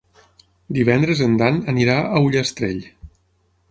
Divendres en Dan anirà a Ullastrell.